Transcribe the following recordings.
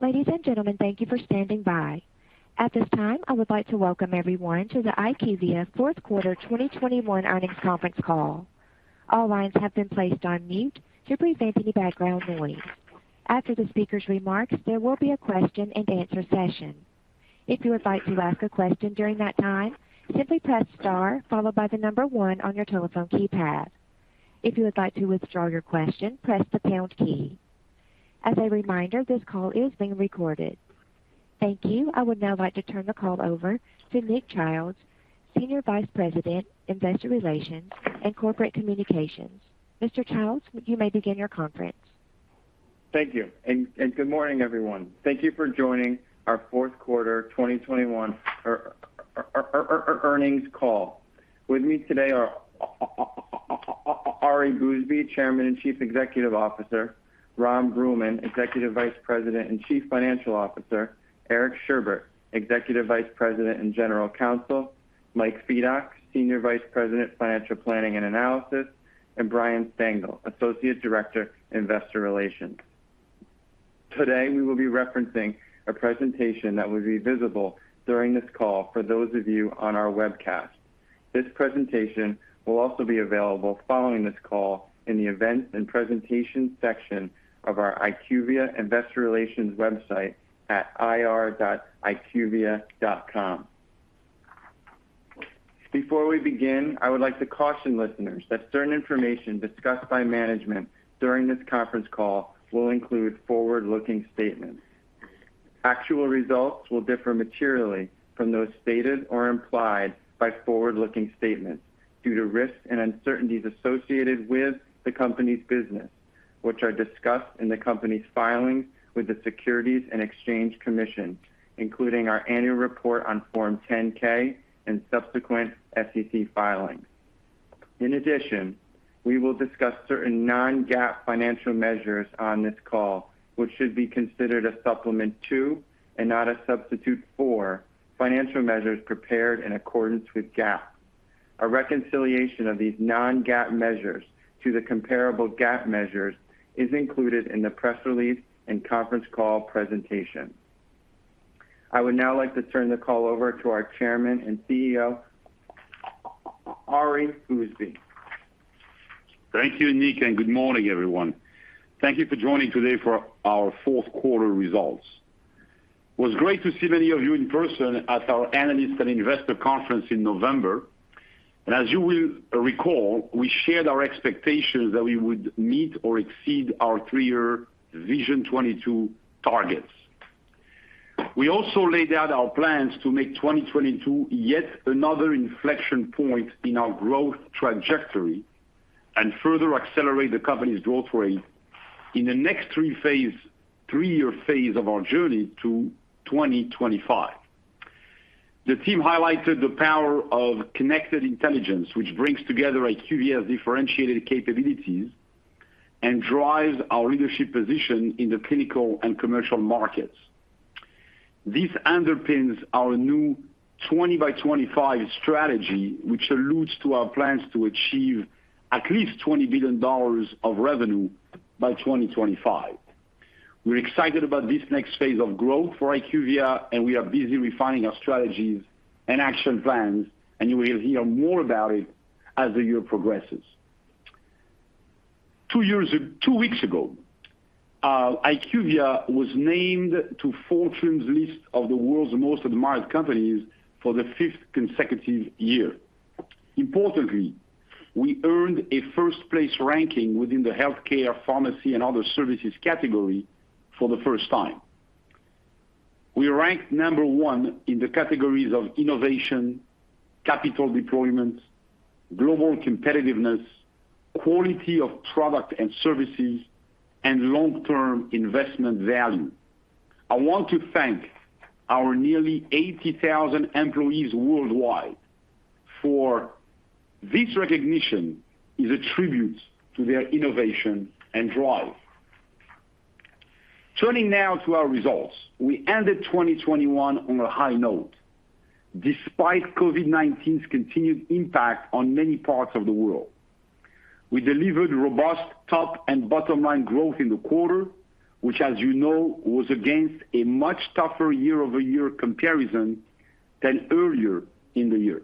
Ladies and gentlemen, thank you for standing by. At this time, I would like to welcome everyone to the IQVIA Fourth Quarter 2021 Earnings Conference Call. All lines have been placed on mute to prevent any background noise. After the speaker's remarks, there will be a question-and-answer session. If you would like to ask a question during that time, simply press star followed by the number one on your telephone keypad. If you would like to withdraw your question, press the pound key. As a reminder, this call is being recorded. Thank you. I would now like to turn the call over to Nick Childs, Senior Vice President, Investor Relations and Corporate Communications. Mr. Childs, you may begin your conference. Thank you. Good morning, everyone. Thank you for joining our Fourth Quarter 2021 Earnings Call. With me today are Ari Bousbib, Chairman and Chief Executive Officer, Ron Bruehlman, Executive Vice President and Chief Financial Officer, Eric Sherbet, Executive Vice President and General Counsel, Mike Fedock, Senior Vice President, Financial Planning & Analysis, and Bryan Stengel, Associate Director, Investor Relations. Today, we will be referencing a presentation that will be visible during this call for those of you on our webcast. This presentation will also be available following this call in the Events and Presentation section of our IQVIA Investor Relations website at ir.iqvia.com. Before we begin, I would like to caution listeners that certain information discussed by management during this conference call will include forward-looking statements. Actual results will differ materially from those stated or implied by forward-looking statements due to risks and uncertainties associated with the company's business, which are discussed in the company's filings with the Securities and Exchange Commission, including our annual report on Form 10-K and subsequent SEC filings. In addition, we will discuss certain non-GAAP financial measures on this call, which should be considered a supplement to, and not a substitute for, financial measures prepared in accordance with GAAP. A reconciliation of these non-GAAP measures to the comparable GAAP measures is included in the press release and conference call presentation. I would now like to turn the call over to our Chairman and CEO, Ari Bousbib. Thank you, Nick, and good morning, everyone. Thank you for joining today for our Fourth Quarter Results. It was great to see many of you in person at our Analyst and Investor Conference in November. As you will recall, we shared our expectations that we would meet or exceed our three-year Vision 2022 targets. We also laid out our plans to make 2022 yet another inflection point in our growth trajectory and further accelerate the company's growth rate in the next three-year phase of our journey to 2025. The team highlighted the power of connected intelligence, which brings together IQVIA's differentiated capabilities and drives our leadership position in the clinical and commercial markets. This underpins our new 20by25 strategy, which alludes to our plans to achieve at least $20 billion of revenue by 2025. We're excited about this next phase of growth for IQVIA, and we are busy refining our strategies and action plans, and you will hear more about it as the year progresses. Two weeks ago, IQVIA was named to Fortune's list of the World's Most Admired Companies for the fifth consecutive year. Importantly, we earned a first-place ranking within the healthcare, pharmacy, and other services category for the first time. We ranked number one in the categories of innovation, capital deployment, global competitiveness, quality of product and services, and long-term investment value. I want to thank our nearly 80,000 employees worldwide, for this recognition is a tribute to their innovation and drive. Turning now to our results. We ended 2021 on a high note, despite COVID-19's continued impact on many parts of the world. We delivered robust top and bottom-line growth in the quarter, which, as you know, was against a much tougher year-over-year comparison than earlier in the year.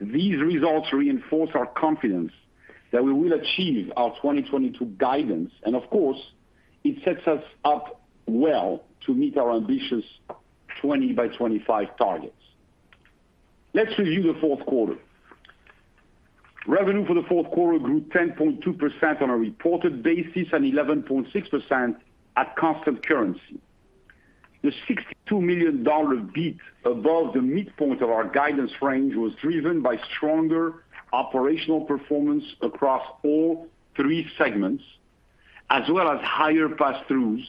These results reinforce our confidence that we will achieve our 2022 guidance, and of course, it sets us up well to meet our ambitious 20by25 targets. Let's review the fourth quarter. Revenue for the fourth quarter grew 10.2% on a reported basis and 11.6% at constant currency. The $62 million beat above the midpoint of our guidance range was driven by stronger operational performance across all three segments, as well as higher passthroughs,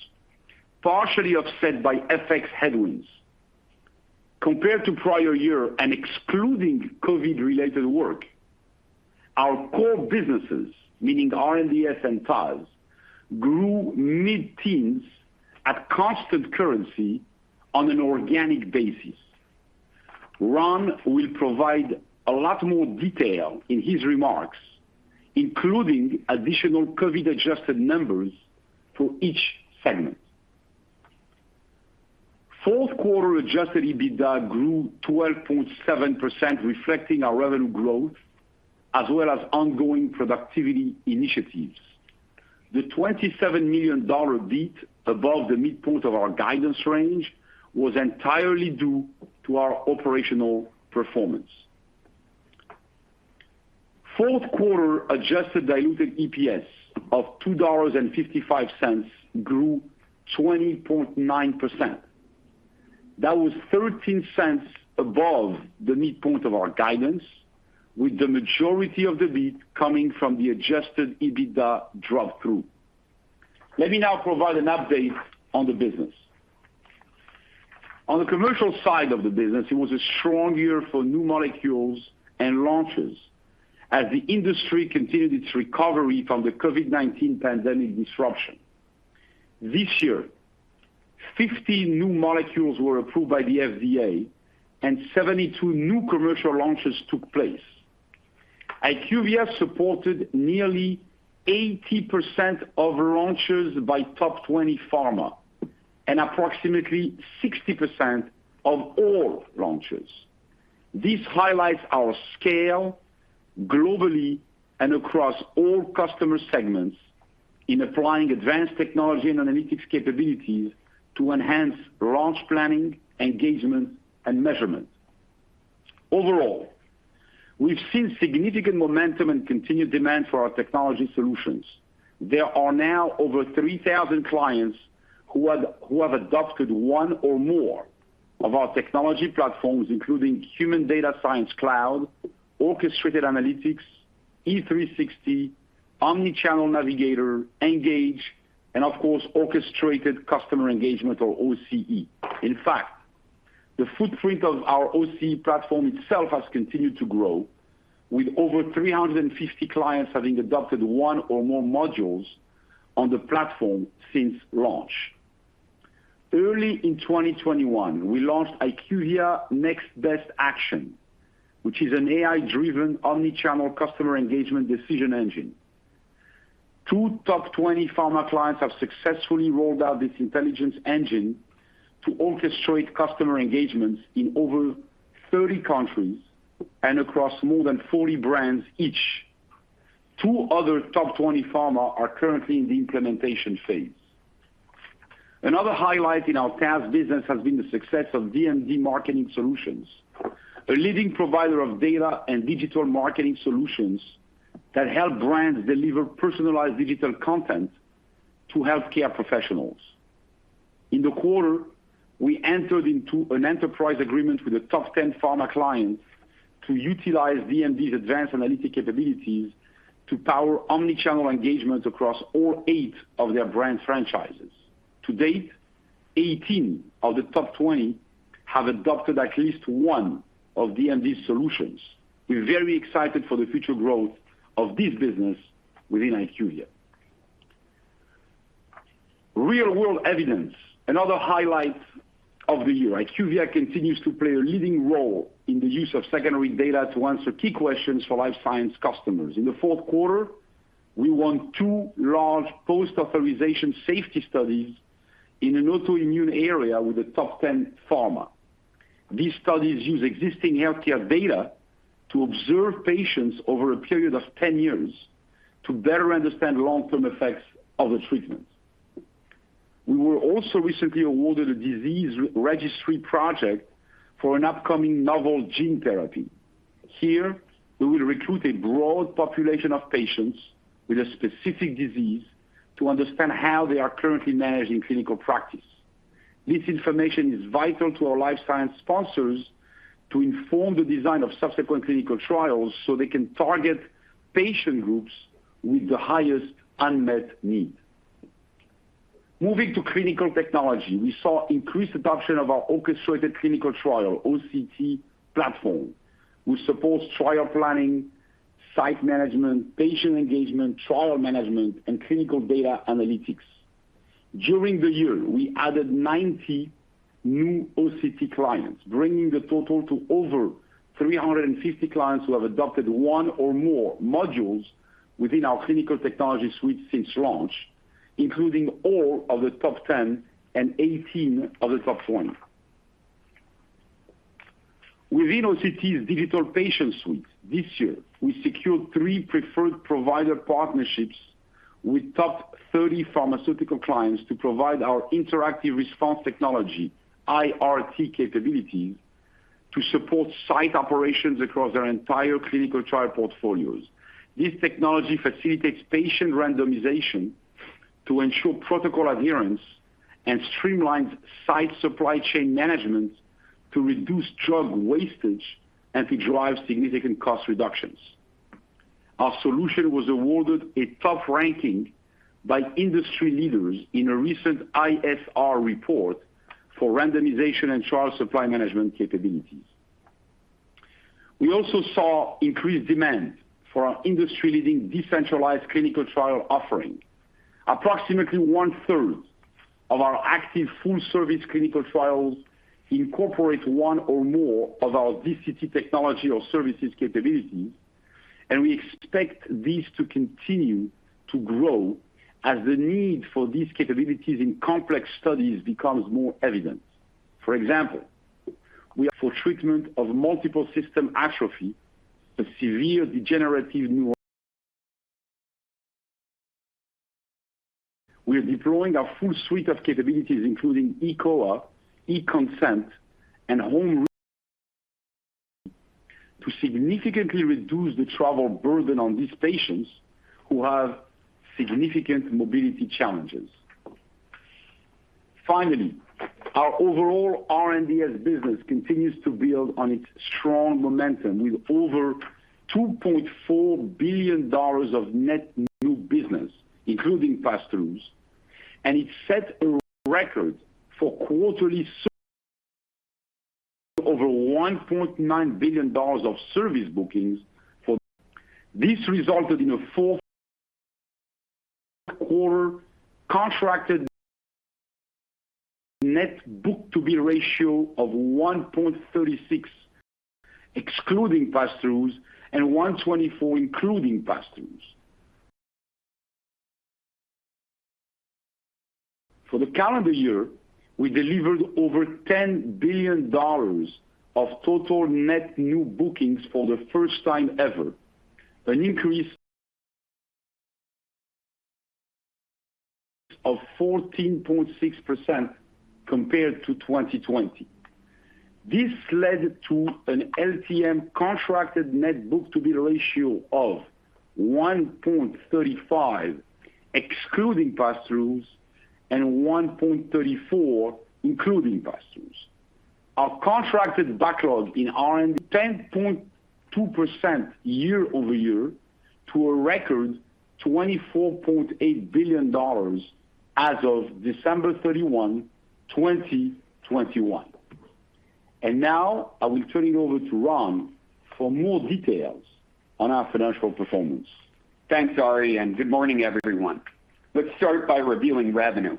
partially offset by FX headwinds. Compared to prior year and excluding COVID-related work, our core businesses, meaning R&DS and TAS, grew mid-teens at constant currency on an organic basis. Ron will provide a lot more detail in his remarks, including additional COVID-adjusted numbers for each segment. Fourth quarter adjusted EBITDA grew 12.7%, reflecting our revenue growth as well as ongoing productivity initiatives. The $27 million beat above the midpoint of our guidance range was entirely due to our operational performance. Fourth quarter adjusted diluted EPS of $2.55 grew 20.9%. That was $0.13 above the midpoint of our guidance, with the majority of the beat coming from the adjusted EBITDA drop through. Let me now provide an update on the business. On the commercial side of the business, it was a strong year for new molecules and launches as the industry continued its recovery from the COVID-19 pandemic disruption. This year, 50 new molecules were approved by the FDA and 72 new commercial launches took place. IQVIA supported nearly 80% of launches by top 20 pharma and approximately 60% of all launches. This highlights our scale globally and across all customer segments in applying advanced technology and analytics capabilities to enhance launch planning, engagement, and measurement. Overall, we've seen significant momentum and continued demand for our technology solutions. There are now over 3,000 clients who have adopted one or more of our technology platforms, including Human Data Science Cloud, Orchestrated Analytics, E360, Omnichannel Navigator, Engage, and of course, Orchestrated Customer Engagement or OCE. In fact, the footprint of our OCE platform itself has continued to grow with over 350 clients having adopted one or more modules on the platform since launch. Early in 2021, we launched IQVIA Next Best Action, which is an AI-driven omnichannel customer engagement decision engine. Two top 20 pharma clients have successfully rolled out this intelligence engine to orchestrate customer engagements in over 30 countries and across more than 40 brands each. Two` other top 20 pharma are currently in the implementation phase. Another highlight in our CAS business has been the success of DMD Marketing Solutions, a leading provider of data and digital marketing solutions that help brands deliver personalized digital content to healthcare professionals. In the quarter, we entered into an enterprise agreement with a top ten pharma client to utilize DMD's advanced analytic capabilities to power omnichannel engagement across all eight of their brand franchises. To date, 18 of the top 20 have adopted at least one of DMD's solutions. We're very excited for the future growth of this business within IQVIA. Real-world evidence. Another highlight of the year. IQVIA continues to play a leading role in the use of secondary data to answer key questions for life science customers. In the fourth quarter, we won two large post-authorization safety studies in an autoimmune area with a top 10 pharma. These studies use existing healthcare data to observe patients over a period of 10 years to better understand long-term effects of the treatments. We were also recently awarded a disease re-registry project for an upcoming novel gene therapy. Here, we will recruit a broad population of patients with a specific disease to understand how they are currently managed in clinical practice. This information is vital to our life science sponsors to inform the design of subsequent clinical trials so they can target patient groups with the highest unmet need. Moving to clinical technology, we saw increased adoption of our Orchestrated Clinical Trials, OCT platform, which supports trial planning, site management, patient engagement, trial management, and clinical data analytics. During the year, we added 90 new OCT clients, bringing the total to over 350 clients who have adopted one or more modules within our clinical technology suite since launch, including all of the top 10 and 18 of the top 20. Within OCT's digital patient suite this year, we secured three preferred provider partnerships with top 30 pharmaceutical clients to provide our interactive response technology, IRT capabilities to support site operations across their entire clinical trial portfolios. This technology facilitates patient randomization to ensure protocol adherence and streamlines site supply chain management to reduce drug wastage and to drive significant cost reductions. Our solution was awarded a top ranking by industry leaders in a recent ISR report for randomization and trial supply management capabilities. We also saw increased demand for our industry-leading decentralized clinical trial offering. Approximately 1/3 of our active full-service clinical trials incorporate one or more of our DCT technology or services capabilities, and we expect these to continue to grow as the need for these capabilities in complex studies becomes more evident. For example, we are for treatment of multiple system atrophy, a severe degenerative neuro. We are deploying our full suite of capabilities, including eCOA, eConsent, and home to significantly reduce the travel burden on these patients who have significant mobility challenges. Finally, our overall R&DS business continues to build on its strong momentum with over $2.4 billion of net new business, including pass-throughs, and it set a record for quarterly over $1.9 billion of service bookings. This resulted in a fourth quarter contracted net book-to-bill ratio of 1.36, excluding pass-throughs, and 1.24 including pass-throughs. For the calendar year, we delivered over $10 billion of total net new bookings for the first time ever, an increase of 14.6% compared to 2020. This led to an LTM contracted net book-to-bill ratio of 1.35, excluding pass-throughs, and 1.34 including pass-throughs. Our contracted backlog in R&D grew 10.2% year-over-year to a record $24.8 billion as of December 31, 2021. Now I will turn it over to Ron for more details on our financial performance. Thanks, Ari, and good morning, everyone. Let's start by reviewing revenue.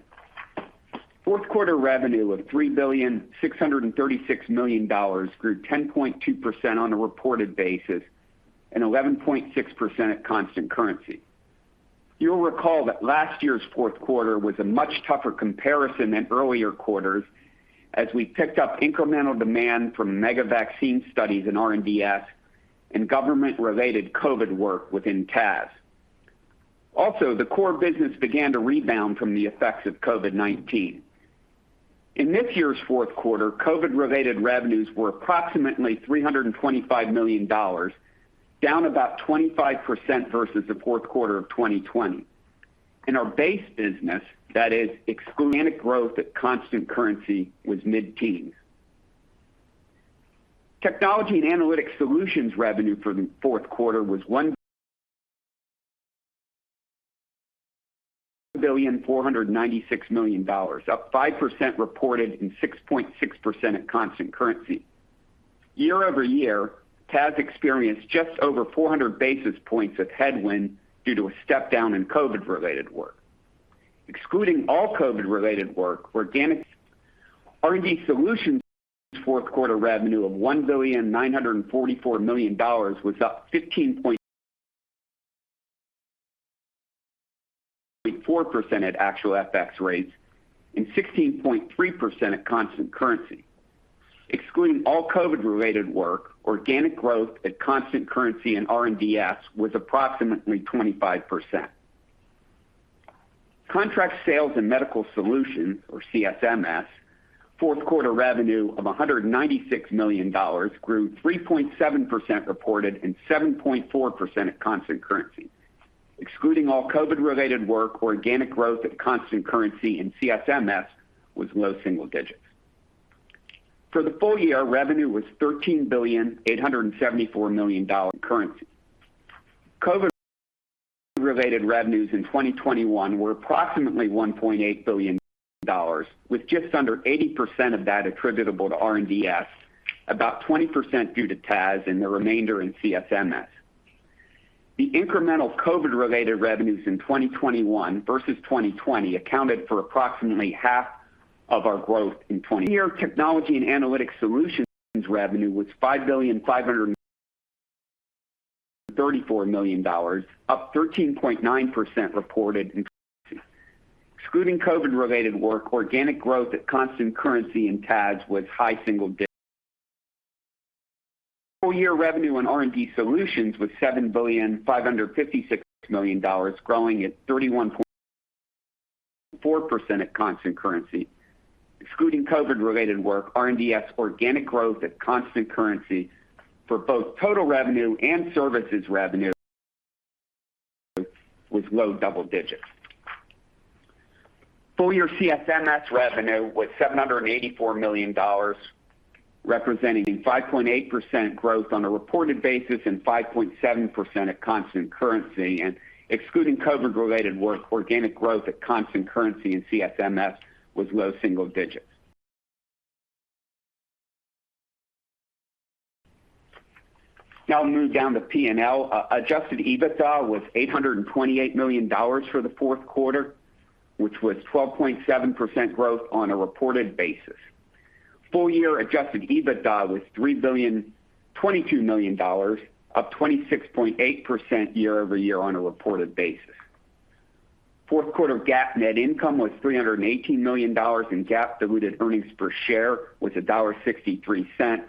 Fourth quarter revenue of $3.636 billion grew 10.2% on a reported basis and 11.6% at constant currency. You'll recall that last year's fourth quarter was a much tougher comparison than earlier quarters as we picked up incremental demand from mega vaccine studies in R&DS and government-related COVID work within TAS. Also, the core business began to rebound from the effects of COVID-19. In this year's fourth quarter, COVID-related revenues were approximately $325 million, down about 25% versus the fourth quarter of 2020. In our base business, that is excluding COVID-related revenues, growth at constant currency was mid-teens. Technology & Analytics Solutions revenue for the fourth quarter was $1,496 million, up 5% reported and 6.6% at constant currency. Year-over-year, TAS experienced just over 400 basis points of headwind due to a step down in COVID-related work. Excluding all COVID-related work, organic R&DS fourth quarter revenue of $1,944 million was up 15.4% at actual FX rates and 16.3% at constant currency. Excluding all COVID-related work, organic growth at constant currency in R&DS was approximately 25%. Contract Sales and Medical Solutions, or CSMS, fourth quarter revenue of $196 million grew 3.7% reported and 7.4% at constant currency. Excluding all COVID-related work, organic growth at constant currency in CSMS was low single-digits. For the full year, revenue was $13.874 billion. COVID-related revenues in 2021 were approximately $1.8 billion, with just under 80% of that attributable to R&DS, about 20% due to TAS, and the remainder in CSMS. The incremental COVID-related revenues in 2021 versus 2020 accounted for approximately half of our growth in 2021. Technology & Analytics Solutions revenue was $5.534 billion, up 13.9% reported. Excluding COVID-related work, organic growth at constant currency in TAS was high single-digits. Full-year revenue in R&DS was $7.556 billion, growing at 31.4% at constant currency. Excluding COVID-related work, R&DS organic growth at constant currency for both total revenue and services revenue was low double-digits. Full-year CSMS revenue was $784 million, representing 5.8% growth on a reported basis and 5.7% at constant currency. Excluding COVID-related work, organic growth at constant currency in CSMS was low single-digits. Now move down to P&L. Adjusted EBITDA was $828 million for the fourth quarter, which was 12.7% growth on a reported basis. Full year adjusted EBITDA was $3.022 billion, up 26.8% year-over-year on a reported basis. Fourth quarter GAAP net income was $318 million, and GAAP diluted earnings per share was $1.63.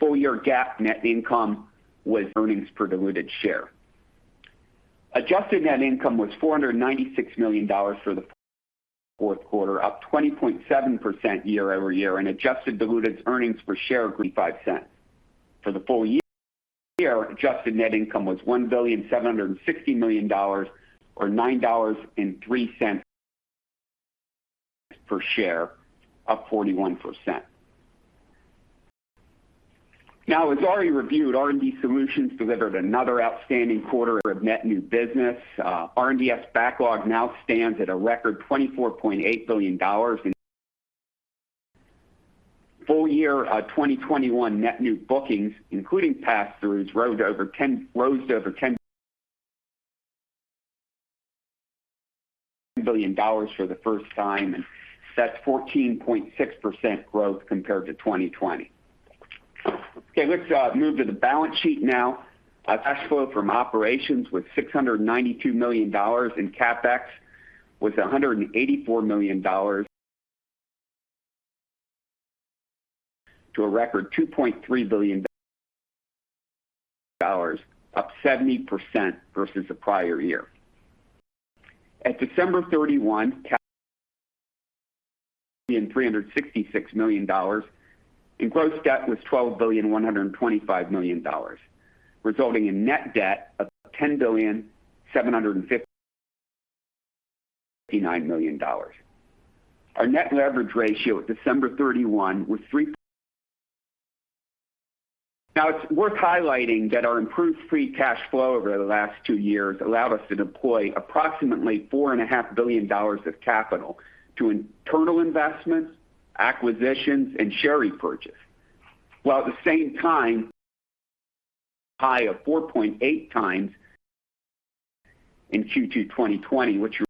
Full year GAAP net income was earnings per diluted share. Adjusted net income was $496 million for the fourth quarter, up 20.7% year-over-year, and adjusted diluted earnings per share of $0.55. For the full year, adjusted net income was $1.76 billion, or $9.03 per share, up 41%. As already reviewed, R&DS delivered another outstanding quarter of net new business. R&DS backlog now stands at a record $24.8 billion. Full year 2021 net new bookings, including pass-throughs, rose over $10 billion for the first time, and that's 14.6% growth compared to 2020. Okay, let's move to the balance sheet now. Cash flow from operations was $692 million, and CapEx was $184 million to a record $2.3 billion, up 70% versus the prior year. At December 31, cash and $1,366 million, and gross debt was $12.125 billion, resulting in net debt of $10.759 billion. Our net leverage ratio at December 31 was 3x. Now, it's worth highlighting that our improved free cash flow over the last two years allowed us to deploy approximately $4.5 billion of capital to internal investments, acquisitions, and share repurchase, while at the same time high of 4.8 x in Q2 2020, which you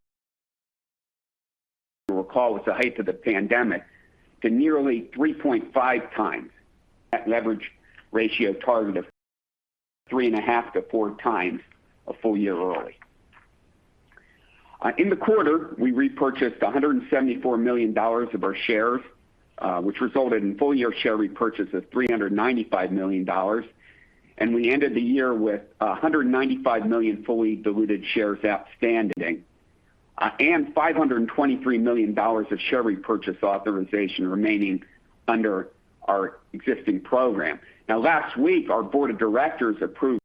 recall was the height of the pandemic, to nearly 3.5x net leverage ratio target of 3.5x-4x a full year early. In the quarter, we repurchased $174 million of our shares, which resulted in full year share repurchase of $395 million. We ended the year with 195 million fully diluted shares outstanding, and $523 million of share repurchase authorization remaining under our existing program. Last week, our Board of Directors approved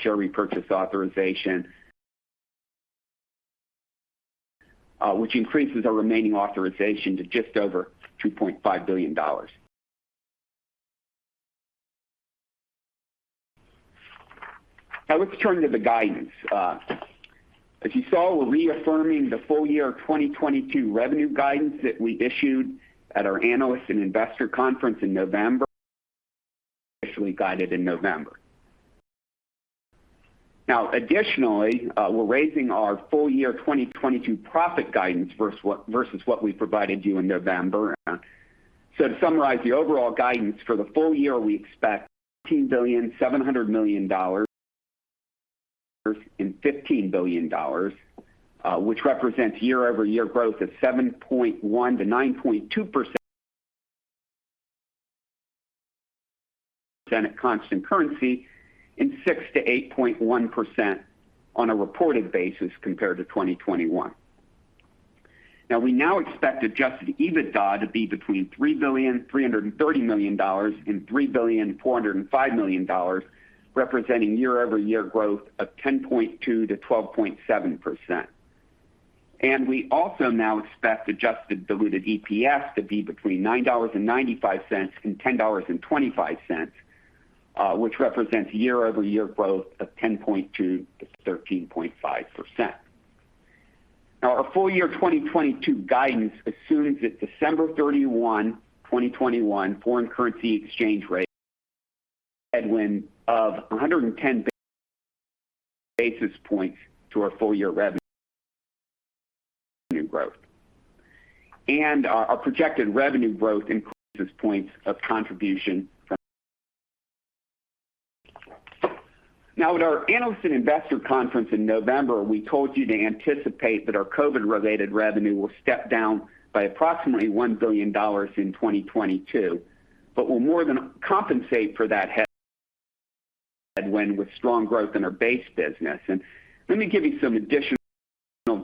share repurchase authorization, which increases our remaining authorization to just over $2.5 billion. Let's turn to the guidance. As you saw, we're reaffirming the full-year 2022 revenue guidance that we issued at our Analyst and Investor Conference in November. Initially guided in November. Additionally, we're raising our full-year 2022 profit guidance versus what we provided you in November. To summarize the overall guidance for the full year, we expect $15.7 billion and $15 billion, which represents year-over-year growth of 7.1%-9.2% at constant currency and 6%-8.1% on a reported basis compared to 2021. Now, we expect adjusted EBITDA to be between $3.33 billion and $3.405 billion, representing year-over-year growth of 10.2%-12.7%. We also now expect adjusted Diluted EPS to be between $9.95 and $10.25, which represents year-over-year growth of 10.2%-13.5%. Now, our full year 2022 guidance assumes a December 31, 2021 foreign currency exchange rate headwind of 110 basis points to our full year revenue growth. Now, at our Analyst and Investor Conference in November, we told you to anticipate that our COVID-related revenue will step down by approximately $1 billion in 2022. We'll more than compensate for that headwind with strong growth in our base business. Let me give you some additional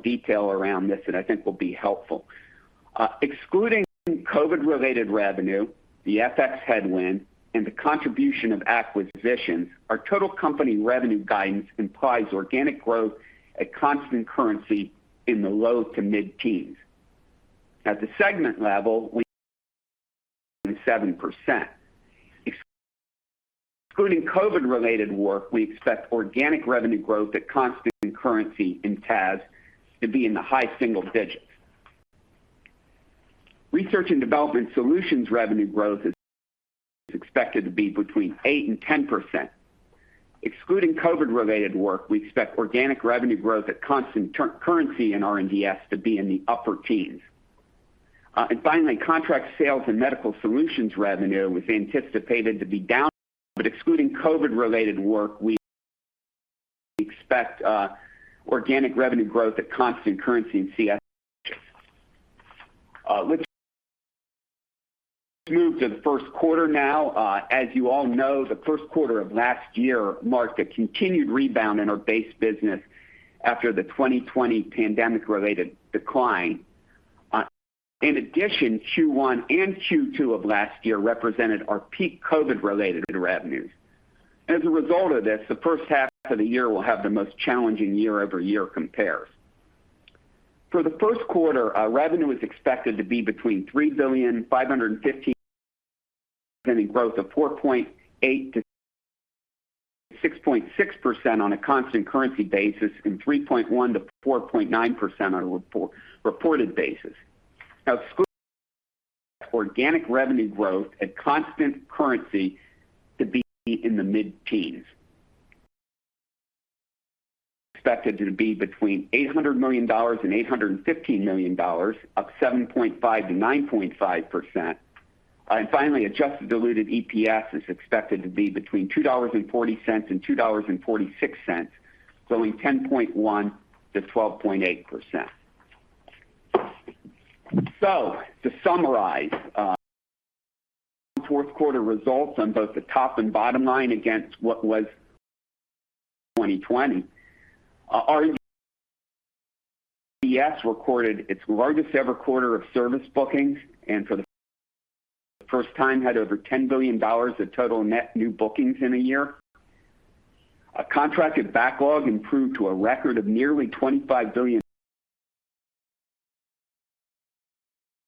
detail around this that I think will be helpful. Excluding COVID-related revenue, the FX headwind, and the contribution of acquisitions, our total company revenue guidance implies organic growth at constant currency in the low- to mid-teens. At the segment level, we 7%. Excluding COVID-related work, we expect organic revenue growth at constant currency in TAS to be in the high single-digits. Research & Development Solutions revenue growth is expected to be between 8% and 10%. Excluding COVID-related work, we expect organic revenue growth at constant currency in R&DS to be in the upper-teens. Contract Sales and Medical Solutions revenue is anticipated to be down, but excluding COVID-related work, we expect organic revenue growth at constant currency in CS. Let's move to the first quarter now. As you all know, the first quarter of last year marked a continued rebound in our base business after the 2020 pandemic-related decline. In addition, Q1 and Q2 of last year represented our peak COVID-related revenues. As a result of this, the first half of the year will have the most challenging year-over-year compares. For the first quarter, our revenue is expected to be between $3.55 billion, representing growth of 4.8%-6.6% on a constant currency basis and 3.1%-4.9% on a reported basis. Now, organic revenue growth at constant currency to be in the mid-teens. Expected to be between $800 million and $815 million, up 7.5%-9.5%. Finally, adjusted diluted EPS is expected to be between $2.40 and $2.46, growing 10.1%-12.8%. To summarize, fourth quarter results on both the top and bottom line against what was 2020. R&DS recorded its largest-ever quarter of service bookings, and for the first time had over $10 billion of total net new bookings in a year. A contracted backlog improved to a record of nearly $25 billion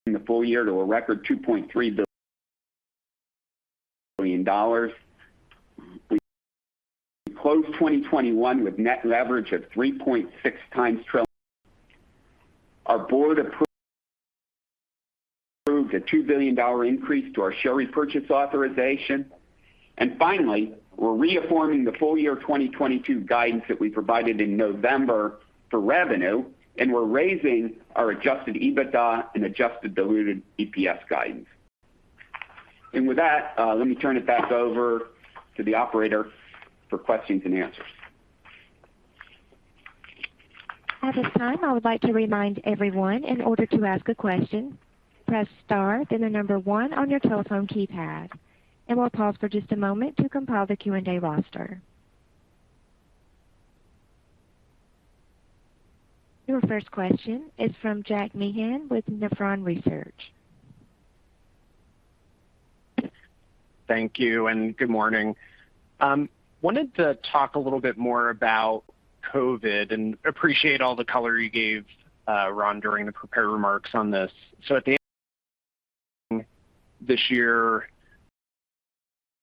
in the full year to a record $2.3 billion. We closed 2021 with net leverage of 3.6x. Our board approved a $2 billion increase to our share repurchase authorization. Finally, we're reaffirming the full-year 2022 guidance that we provided in November for revenue, and we're raising our adjusted EBITDA and adjusted diluted EPS guidance. With that, let me turn it back over to the operator for questions and answers. At this time, I would like to remind everyone in order to ask a question, press star, then the number one on your telephone keypad, and we'll pause for just a moment to compile the Q&A roster. Your first question is from Jack Meehan with Nephron Research. Thank you and good morning. I wanted to talk a little bit more about COVID and appreciate all the color you gave, Ron, during the prepared remarks on this. At the end of this year,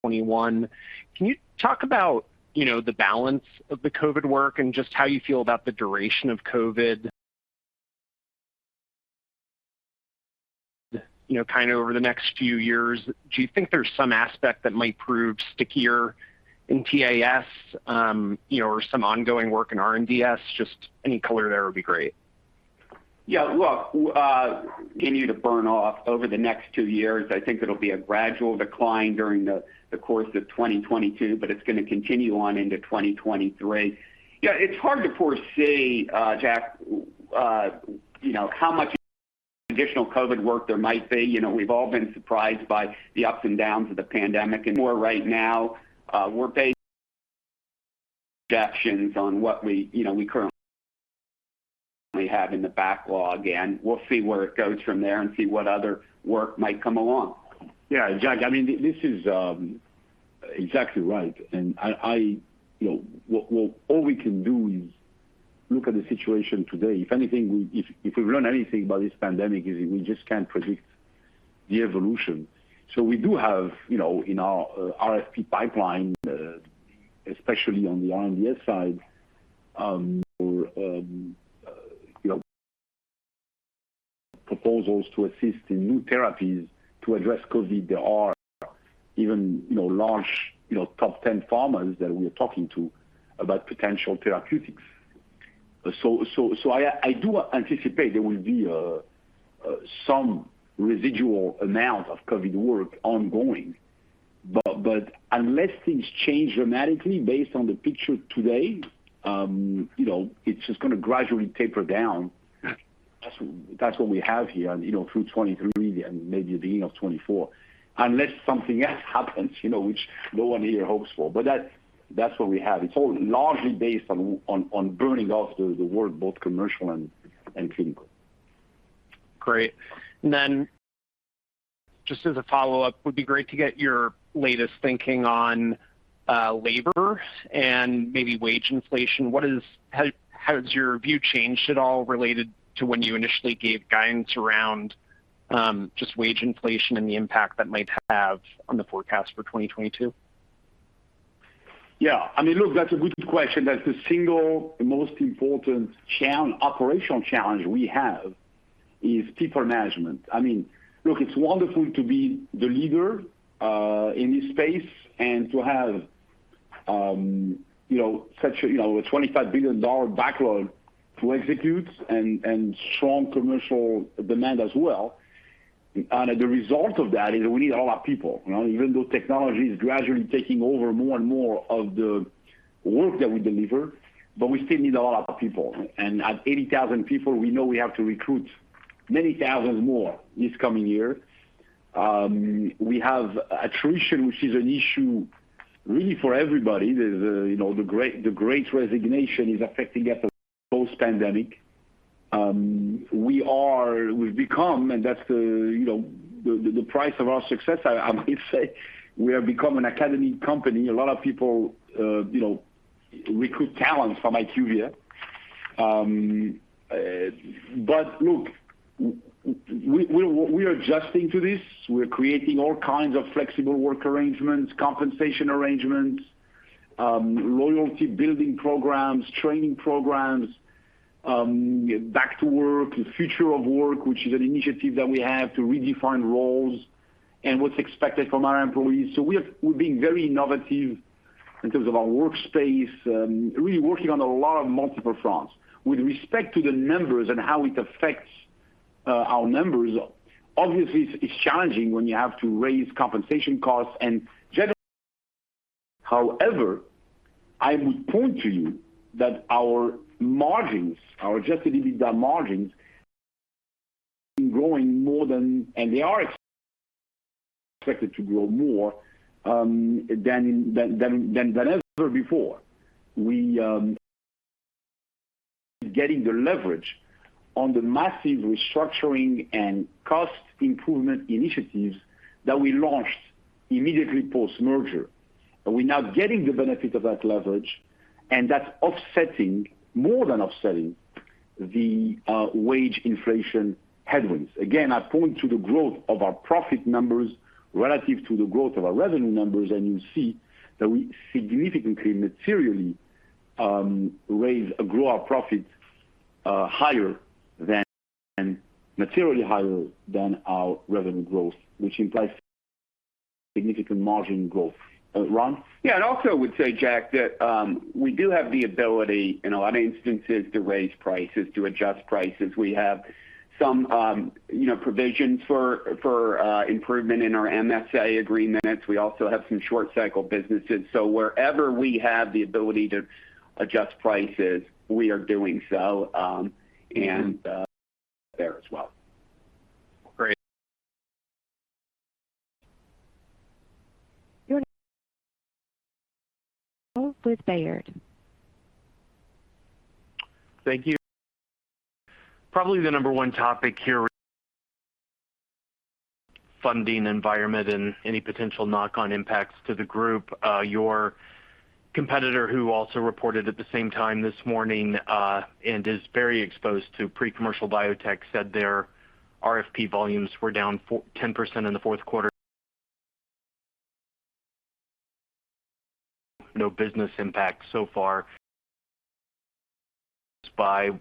2021, can you talk about, you know, the balance of the COVID work and just how you feel about the duration of COVID, you know, kinda over the next few years? Do you think there's some aspect that might prove stickier in TAS, you know, or some ongoing work in R&DS? Just any color there would be great. Yeah. Look, continue to burn off over the next two years. I think it'll be a gradual decline during the course of 2022, but it's gonna continue on into 2023. Yeah, it's hard to foresee, Jack, you know, how much additional COVID work there might be. You know, we've all been surprised by the ups and downs of the pandemic. Right now, we're based on what we currently have in the backlog, and we'll see where it goes from there and see what other work might come along. Yeah, Jack, I mean, this is exactly right. You know, well, all we can do is look at the situation today. If anything, we've learned anything about this pandemic is we just can't predict the evolution. We do have, you know, in our RFP pipeline, especially on the R&DS side, you know, proposals to assist in new therapies to address COVID. There are even, you know, large, you know, top 10 pharmas that we are talking to about potential therapeutics. I do anticipate there will be some residual amount of COVID work ongoing. Unless things change dramatically based on the picture today, you know, it's just gonna gradually taper down. That's what we have here, you know, through 2023 and maybe the beginning of 2024. Unless something else happens, you know, which no one here hopes for. That's what we have. It's all largely based on burning off the work, both commercial and clinical. Great. Just as a follow-up, would be great to get your latest thinking on labor and maybe wage inflation. Has your view changed at all related to when you initially gave guidance around just wage inflation and the impact that might have on the forecast for 2022? Yeah, I mean, look, that's a good question. That's the single most important challenge, operational challenge we have is people management. I mean, look, it's wonderful to be the leader in this space and to have, you know, such a, you know, $25 billion backlog to execute and strong commercial demand as well. The result of that is we need a lot of people. You know, even though technology is gradually taking over more and more of the work that we deliver, but we still need a lot of people. At 80,000 people, we know we have to recruit many thousands more this coming year. We have attrition, which is an issue really for everybody. There's the great resignation is affecting us post-pandemic. We've become, and that's you know, the price of our success, I might say we have become an academic company. A lot of people, you know, recruit talent from IQVIA. Look, we're adjusting to this. We're creating all kinds of flexible work arrangements, compensation arrangements, loyalty building programs, training programs, back to work, the future of work, which is an initiative that we have to redefine roles and what's expected from our employees. We're being very innovative in terms of our workspace, really working on a lot of multiple fronts. With respect to the numbers and how it affects our numbers, obviously, it's challenging when you have to raise compensation costs and generally. However, I would point to you that our margins, our adjusted EBITDA margins growing more than, and they are expected to grow more than ever before. We're getting the leverage on the massive restructuring and cost improvement initiatives that we launched immediately post-merger. We're now getting the benefit of that leverage, and that's more than offsetting the wage inflation headwinds. Again, I point to the growth of our profit numbers relative to the growth of our revenue numbers, and you see that we significantly, materially grow our profits materially higher than our revenue growth, which implies significant margin growth. Ron? Yeah, I'd also say, Jack, that we do have the ability in a lot of instances to raise prices, to adjust prices. We have some, you know, provisions for improvement in our MSA agreements. We also have some short cycle businesses. Wherever we have the ability to adjust prices, we are doing so, and there as well. Great. Our next with Baird. Thank you. Probably the number one topic here, funding environment and any potential knock-on impacts to the group. Your competitor, who also reported at the same time this morning, and is very exposed to pre-commercial biotech, said their RFP volumes were down 4%-10% in the fourth quarter. No business impact so far.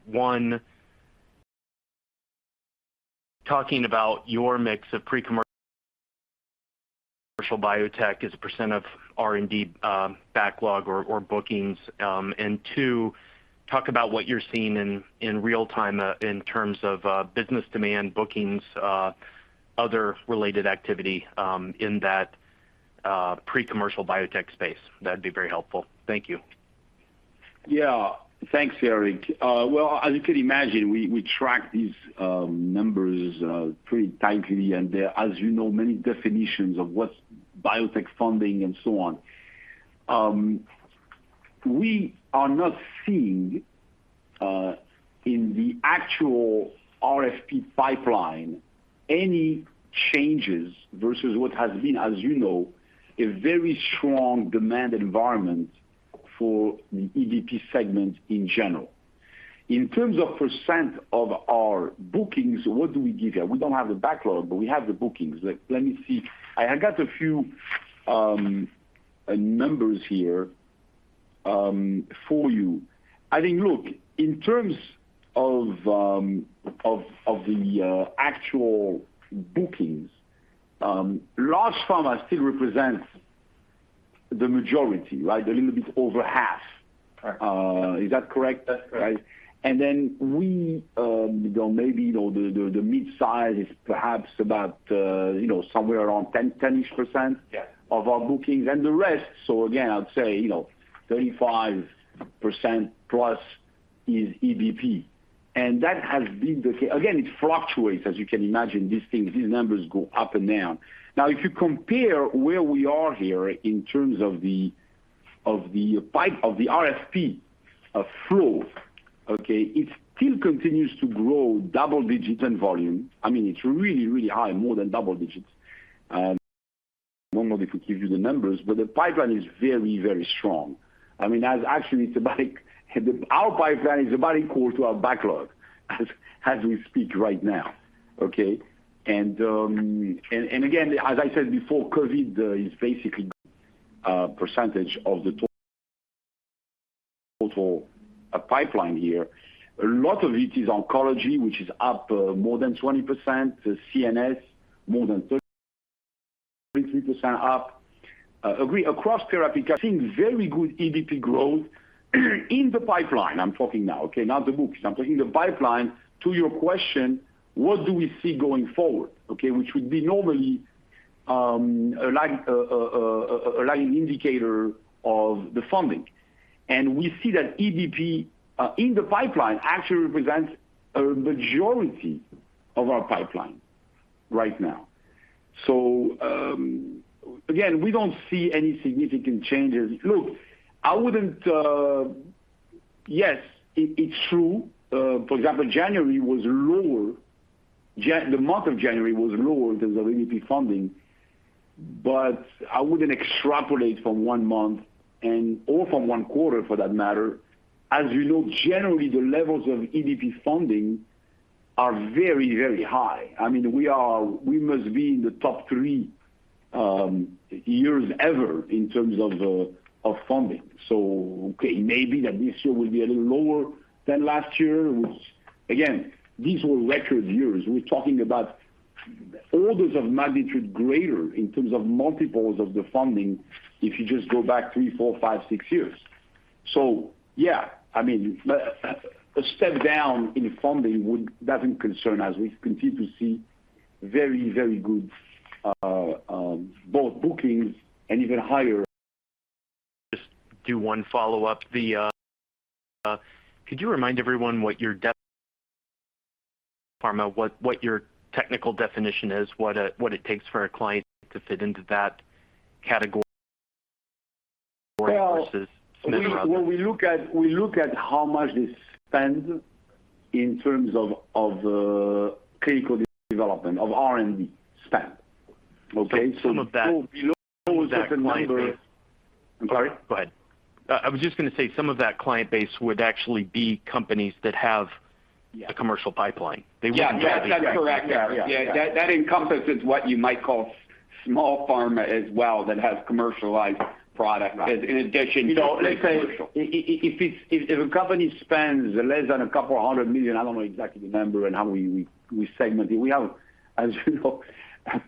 One, talk about your mix of pre-commercial biotech as a percent of R&D backlog or bookings. And two, talk about what you're seeing in real-time in terms of business demand, bookings, other related activity in that pre-commercial biotech space. That'd be very helpful. Thank you. Yeah. Thanks, Eric. Well, as you can imagine, we track these numbers pretty tightly. There are, as you know, many definitions of what's biotech funding and so on. We are not seeing in the actual RFP pipeline any changes versus what has been, as you know, a very strong demand environment for the EBP segment in general. In terms of percent of our bookings, what do we give you? We don't have the backlog, but we have the bookings. Let me see. I have got a few numbers here for you. I think, look, in terms of the actual bookings, large pharma still represents the majority, right? A little bit over half. Correct. Is that correct? That's correct. We, you know, maybe, you know, the mid-size is perhaps about, you know, somewhere around 10-ish percent of our bookings. Yeah. The rest, so again, I'd say, you know, 35%+ is EBP. That has been the case. It fluctuates, as you can imagine. These things, these numbers go up and down. Now, if you compare where we are here in terms of the pipe, of the RFP flow, okay, it still continues to grow double-digit in volume. I mean, it's really, really high, more than double-digits. I don't know if we give you the numbers, but the pipeline is very, very strong. I mean, actually it's about our pipeline is about equal to our backlog as we speak right now, okay? Again, as I said before, COVID is basically a percentage of the total pipeline here. A lot of it is oncology, which is up more than 20%, CNS more than 33% up. Across therapeutic, I think very good EBP growth in the pipeline. I'm talking now, okay? Not the books. I'm talking the pipeline to your question, what do we see going forward, okay? Which would be normally a lagging indicator of the funding. We see that EBP in the pipeline actually represents a majority of our pipeline right now. Again, we don't see any significant changes. Look, I wouldn't. Yes, it's true. For example, the month of January was lower in terms of EBP funding, but I wouldn't extrapolate from one month and/or from one quarter for that matter. As you know, generally, the levels of EBP funding are very, very high. I mean, we must be in the top three years ever in terms of funding. Okay, maybe this year will be a little lower than last year, which again, these were record years. We're talking about orders of magnitude greater in terms of multiples of the funding if you just go back three, four, five, six years. Yeah, I mean, a step down in funding wouldn't concern us. We continue to see very, very good both bookings and even higher- Just do one follow-up. Could you remind everyone what your technical definition is, what it takes for a client to fit into that category versus- Well, we look at how much they spend in terms of clinical development of R&D spend, okay? Below a certain number- I'm sorry? Go ahead. I was just gonna say some of that client base would actually be companies that have a commercial pipeline. Yeah. That's correct. Yeah. Yeah. That encompasses what you might call small pharma as well that has commercialized product- Right. In addition to pre-commercial. You know, let's say if a company spends less than $200 million, I don't know exactly the number and how we segment it. We have, as you know,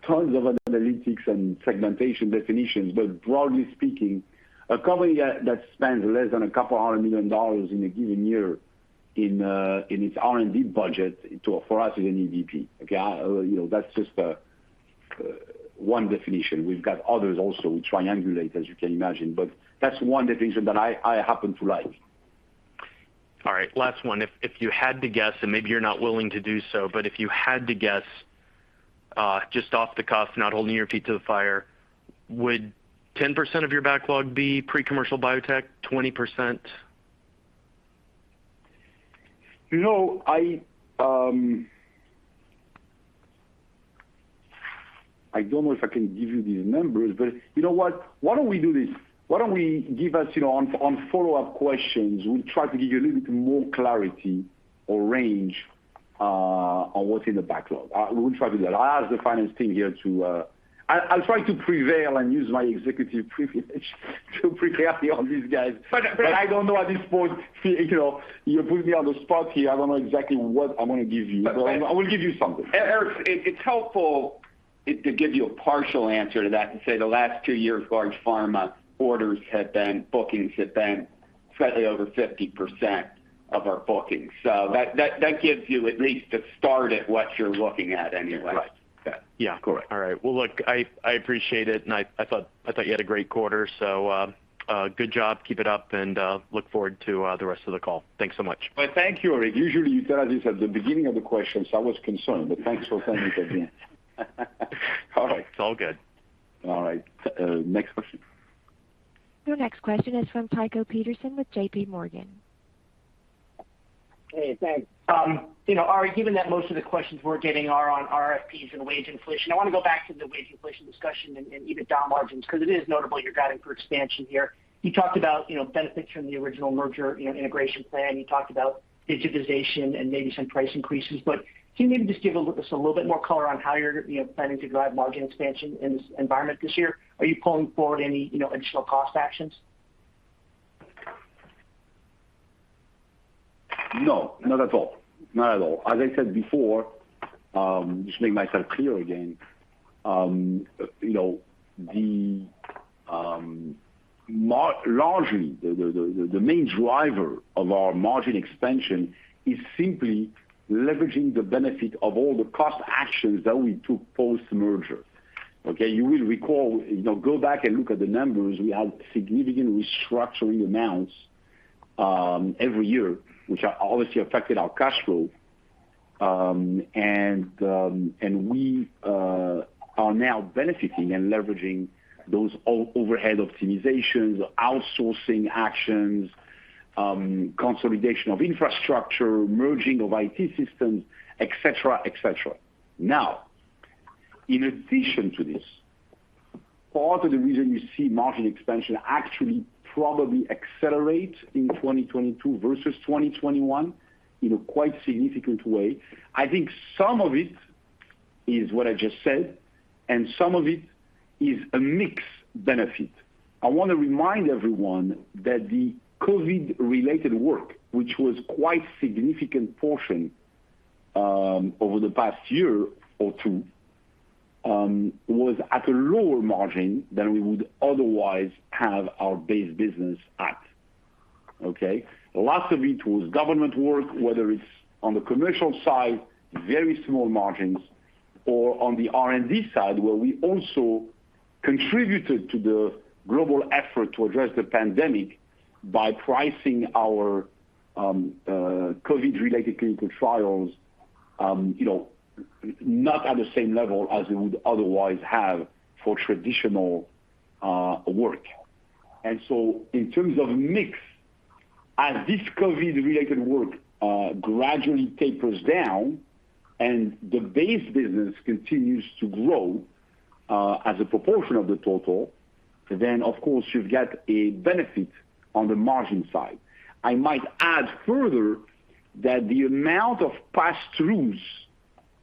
tons of analytics and segmentation definitions. Broadly speaking, a company that spends less than $200 million in a given year in its R&D budget for us is an EBP, okay? You know, that's just one definition. We've got others also. We triangulate, as you can imagine, but that's one definition that I happen to like. All right. Last one. If you had to guess, and maybe you're not willing to do so, but if you had to guess, just off the cuff, not holding your feet to the fire, would 10% of your backlog be pre-commercial biotech, 20%? You know, I don't know if I can give you these numbers, but you know what? Why don't we do this? Why don't we give you know, on follow-up questions, we'll try to give you a little bit more clarity or range on what's in the backlog. We will try to do that. I'll ask the finance team here to. I'll try to prevail and use my executive privilege to prepare all these guys. But, but- I don't know at this point, you know, you put me on the spot here. I don't know exactly what I'm gonna give you. But, but- I will give you something. Eric, it's helpful to give you a partial answer to that, to say the last two years, large pharma bookings have been slightly over 50% of our bookings. That gives you at least a start at what you're looking at anyway. Right. Yeah. Yeah. Correct. All right. Well, look, I appreciate it, and I thought you had a great quarter, so good job. Keep it up, and look forward to the rest of the call. Thanks so much. Well, thank you, Eric. Usually, you tell us this at the beginning of the question, so I was concerned. Thanks for telling it at the end. All right. It's all good. All right. Next question. Your next question is from Tycho Peterson with JPMorgan. Hey, thanks. You know, Ari, given that most of the questions we're getting are on RFPs and wage inflation, I wanna go back to the wage inflation discussion and EBITDA margins because it is notable you're guiding for expansion here. You talked about, you know, benefits from the original merger, you know, integration plan. You talked about digitization and maybe some price increases. But can you maybe just give us a little bit more color on how you're, you know, planning to drive margin expansion in this environment this year? Are you pulling forward any, you know, additional cost actions? No. Not at all. As I said before, just to make myself clear again, you know, largely, the main driver of our margin expansion is simply leveraging the benefit of all the cost actions that we took post-merger, okay? You will recall, you know, go back and look at the numbers. We had significant restructuring amounts every year, which obviously affected our cash flow. And we are now benefiting and leveraging those overhead optimizations, outsourcing actions, consolidation of infrastructure, merging of IT systems, et cetera. In addition to this, part of the reason you see margin expansion actually probably accelerate in 2022 versus 2021 in a quite significant way. I think some of it is what I just said, and some of it is a mix benefit. I want to remind everyone that the COVID-related work, which was quite significant portion, over the past year or two, was at a lower margin than we would otherwise have our base business at. Okay? Lots of it was government work, whether it's on the commercial side, very small margins, or on the R&D side, where we also contributed to the global effort to address the pandemic by pricing our, COVID-related clinical trials, you know, not at the same level as we would otherwise have for traditional, work. In terms of mix, as this COVID-related work, gradually tapers down and the base business continues to grow, as a proportion of the total, then of course you've got a benefit on the margin side. I might add further that the amount of pass-throughs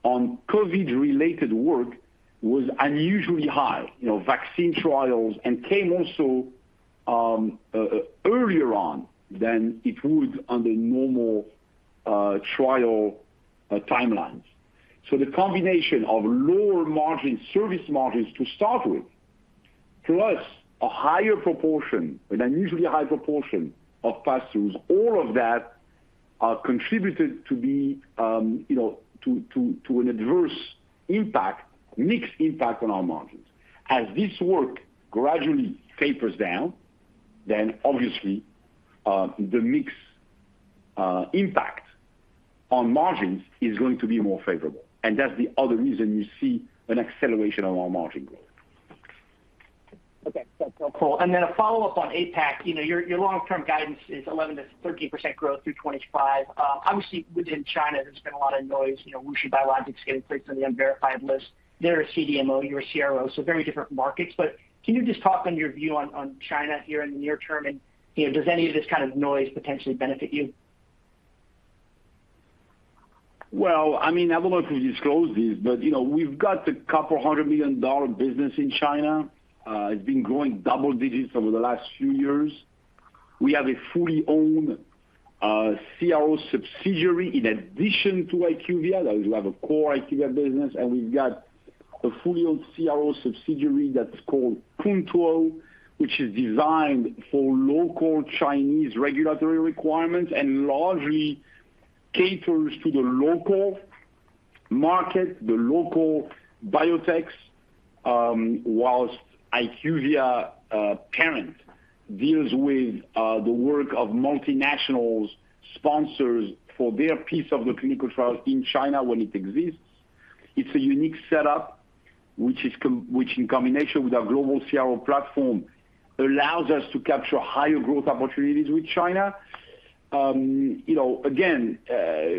on COVID-related work was unusually high. You know, vaccine trials came also earlier on than it would under normal trial timelines. The combination of lower margin service margins to start with, plus a higher proportion, an unusually high proportion of pass-throughs, all of that contributed to, you know, an adverse impact, mixed impact on our margins. As this work gradually tapers down, then obviously, the mix impact on margins is going to be more favorable. That's the other reason you see an acceleration of our margin growth. Okay. That's helpful. Then a follow-up on APAC. Your long-term guidance is 11%-13% growth through 2025. Obviously within China, there's been a lot of noise. WuXi Biologics is getting placed on the unverified list. They're a CDMO, you're a CRO, so very different markets. Can you just talk on your view on China here in the near term? Does any of this kind of noise potentially benefit you? Well, I mean, I don't know if we disclosed this, but you know, we've got a $200 million business in China. It's been growing double digits over the last few years. We have a fully owned CRO subsidiary in addition to IQVIA. We have a core IQVIA business, and we've got a fully owned CRO subsidiary that's called Kun Tuo, which is designed for local Chinese regulatory requirements and largely caters to the local market, the local biotechs, while IQVIA parent deals with the work of multinational sponsors for their piece of the clinical trials in China when it exists. It's a unique setup, which in combination with our global CRO platform, allows us to capture higher growth opportunities with China. You know, again,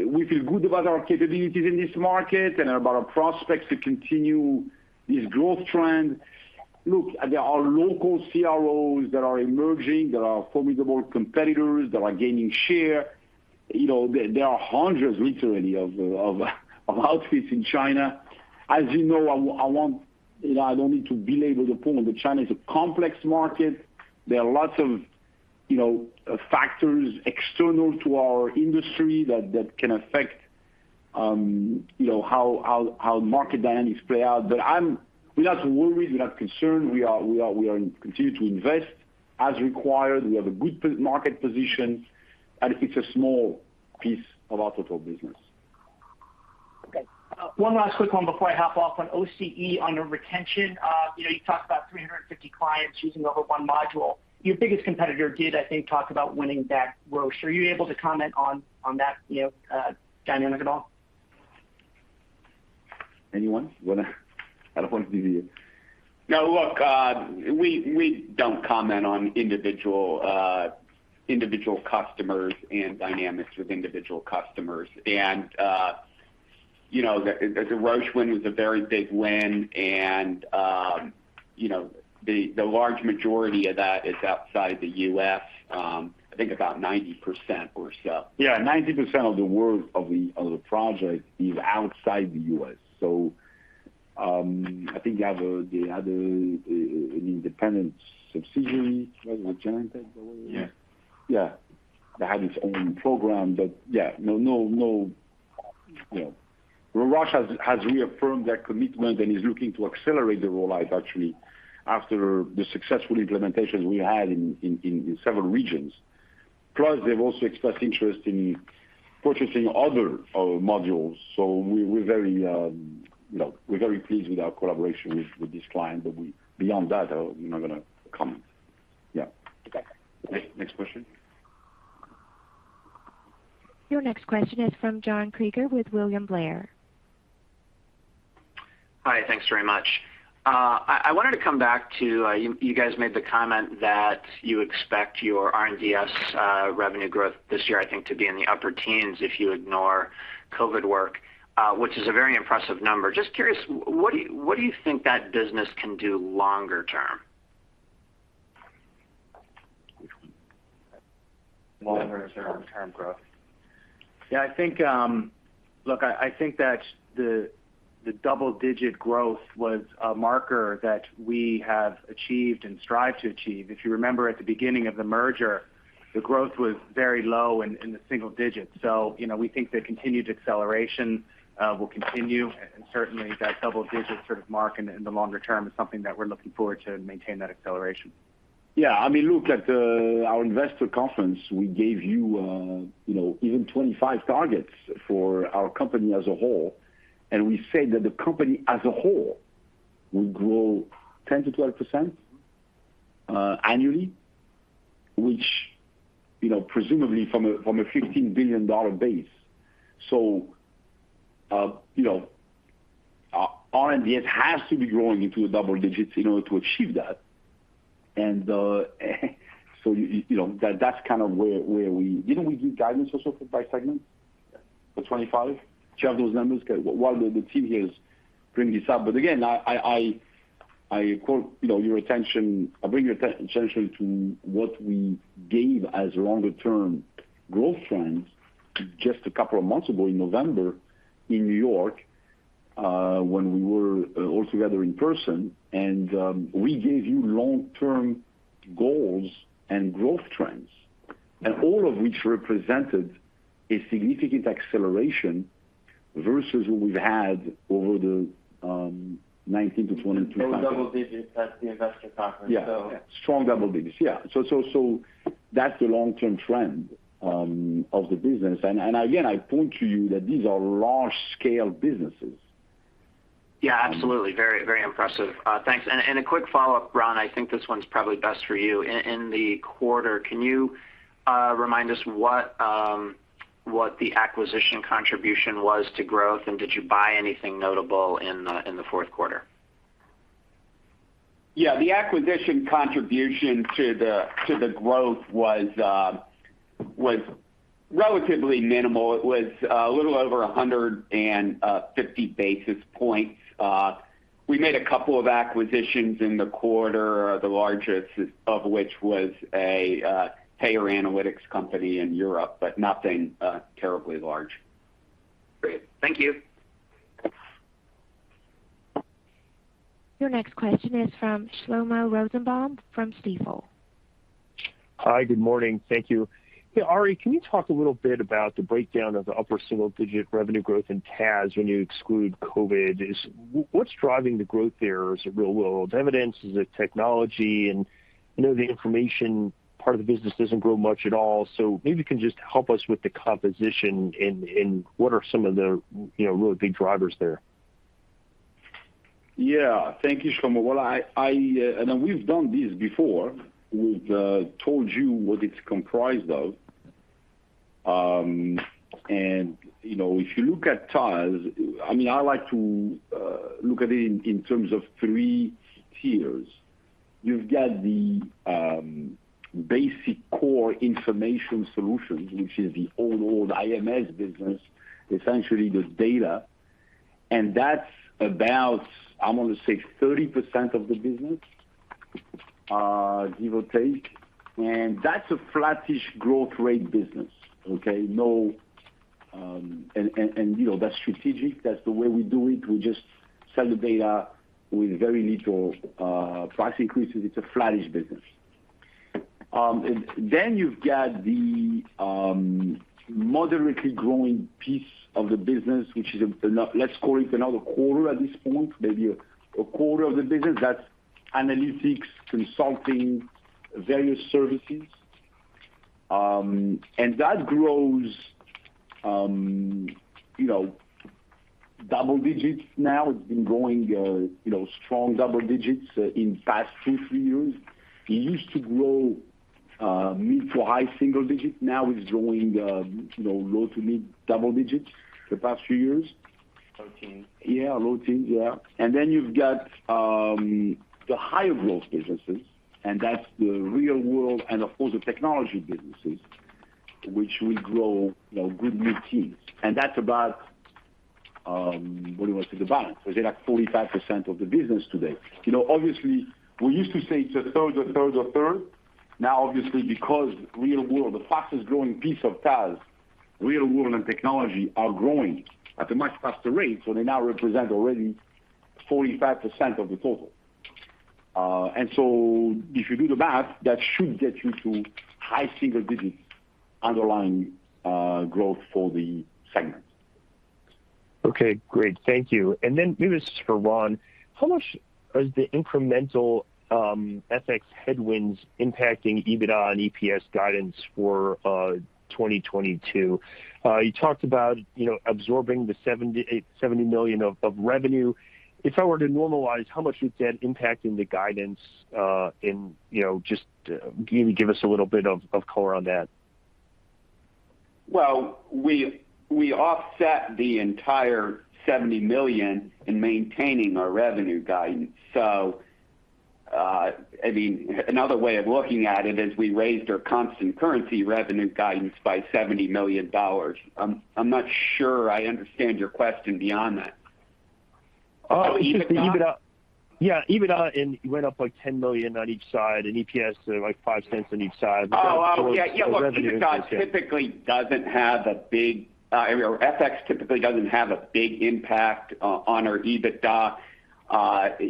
we feel good about our capabilities in this market and about our prospects to continue this growth trend. Look, there are local CROs that are emerging, there are formidable competitors that are gaining share. You know, there are hundreds literally of outfits in China. As you know, you know, I don't need to belabor the point that China is a complex market. There are lots of, you know, factors external to our industry that can affect, you know, how market dynamics play out. But we're not worried, we're not concerned. We continue to invest as required. We have a good market position, and it's a small piece of our total business. Okay. One last quick one before I hop off. On OCE, on your retention, you know, you talked about 350 clients using over one module. Your biggest competitor did, I think, talk about winning back Roche. Are you able to comment on that, you know, dynamic at all? Anyone? I don't want to be the- No, look, we don't comment on individual customers and dynamics with individual customers. You know, the Roche win was a very big win and, you know, the large majority of that is outside the U.S., I think about 90% or so. Yeah, 90% of the work of the project is outside the U.S. I think the other, an independent subsidiary, was it Genentech, by the way? Yeah. Yeah. That had its own program. Yeah, no, you know. Roche has reaffirmed their commitment and is looking to accelerate the rollout actually after the successful implementations we had in several regions. Plus, they've also expressed interest in purchasing other modules. We're very, you know, pleased with our collaboration with this client. Beyond that, we're not gonna comment. Yeah. Okay. Next question. Your next question is from John Kreger with William Blair. Hi. Thanks very much. I wanted to come back to, you guys made the comment that you expect your R&DS revenue growth this year, I think, to be in the upper teens if you ignore COVID work, which is a very impressive number. Just curious, what do you think that business can do longer term? Long-term growth. Yeah, I think. Look, I think that the double-digit growth was a marker that we have achieved and strive to achieve. If you remember at the beginning of the merger, the growth was very low in the single-digits. You know, we think the continued acceleration will continue, and certainly that double-digit sort of mark in the longer term is something that we're looking forward to maintain that acceleration. Yeah. I mean, look, at our Investor Conference, we gave you even 25 targets for our company as a whole, and we said that the company as a whole will grow 10%-12% annually, which presumably from a $15 billion base. R&DS has to be growing in double-digits in order to achieve that. You know, that's kind of where we. Didn't we give guidance also by segment? Yeah. For 25? Do you have those numbers? While the team here is bringing this up. But again, I bring your attention to what we gave as longer-term growth trends just a couple of months ago in November in New York, when we were all together in person. We gave you long-term goals and growth trends, all of which represented a significant acceleration versus what we've had over the 19 to 22- It was double-digits at the Investor Conference. Yeah. Strong double-digits. Yeah. That's the long-term trend of the business. Again, I point to you that these are large-scale businesses. Yeah, absolutely. Very, very impressive. Thanks. A quick follow-up, Ron, I think this one's probably best for you. In the quarter, can you remind us what the acquisition contribution was to growth, and did you buy anything notable in the fourth quarter? Yeah. The acquisition contribution to the growth was relatively minimal. It was a little over 150 basis points. We made a couple of acquisitions in the quarter, the largest of which was a payer analytics company in Europe, but nothing terribly large. Great. Thank you. Your next question is from Shlomo Rosenbaum from Stifel. Hi. Good morning. Thank you. Hey, Ari, can you talk a little bit about the breakdown of the upper single-digit revenue growth in TAS when you exclude COVID? What's driving the growth there? Is it real world evidence? Is it technology? You know, the information part of the business doesn't grow much at all, so maybe you can just help us with the composition and what are some of the, you know, really big drivers there. Yeah. Thank you, Shlomo. Well, we've done this before. We've told you what it's comprised of. You know, if you look at TAS, I mean, I like to look at it in terms of three tiers. You've got the basic core information solutions, which is the old IMS business, essentially the data. That's about, I want to say, 30% of the business, give or take. That's a flattish growth rate business, okay? No. You know, that's strategic. That's the way we do it. We just sell the data with very little price increases. It's a flattish business. Then you've got the moderately growing piece of the business, which is let's call it another quarter at this point, maybe a quarter of the business. That's analytics, consulting, various services. That grows, you know, double-digits now. It's been growing, you know, strong double digits in past two, three years. It used to grow mid-to-high single-digits. Now it's growing, you know, low-to-mid double-digits the past few years. Low teens. Yeah, low teens. Yeah. Then you've got the higher growth businesses, and that's the real world and, of course, the technology businesses, which will grow, you know, good mid-teens. That's about the balance. It's like 45% of the business today. You know, obviously, we used to say it's a third, a third, a third. Now, obviously, because real world, the fastest growing piece of TAS, real world and technology are growing at a much faster rate, so they now represent already 45% of the total. If you do the math, that should get you to high single-digits underlying growth for the segment. Okay, great. Thank you. Then maybe this is for Ron. How much is the incremental FX headwinds impacting EBITDA and EPS guidance for 2022? You talked about, you know, absorbing the $70 million-$80 million of revenue. If I were to normalize, how much is that impacting the guidance? Can you give us a little bit of color on that? Well, we offset the entire $70 million in maintaining our revenue guidance. I mean, another way of looking at it is we raised our constant currency revenue guidance by $70 million. I'm not sure I understand your question beyond that. Oh, just the EBITDA. Yeah, EBITDA, and you went up, like, $10 million on each side and EPS, like, $0.05 on each side. Yeah, look, our FX typically doesn't have a big impact on our EBITDA.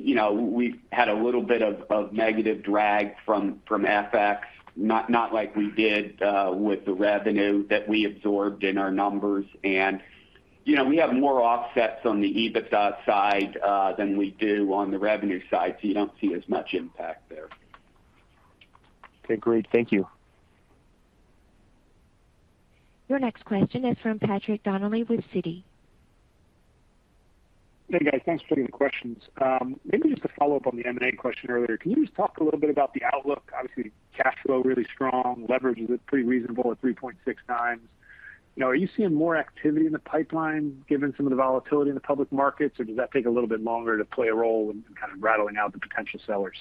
You know, we've had a little bit of negative drag from FX, not like we did with the revenue that we absorbed in our numbers. You know, we have more offsets on the EBITDA side than we do on the revenue side, so you don't see as much impact there. Okay, great. Thank you. Your next question is from Patrick Donnelly with Citi. Hey, guys. Thanks for taking the questions. Maybe just to follow up on the M&A question earlier. Can you just talk a little bit about the outlook? Obviously, cash flow really strong, leverage is pretty reasonable at 3.6x. You know, are you seeing more activity in the pipeline given some of the volatility in the public markets, or does that take a little bit longer to play a role in kind of rattling out the potential sellers?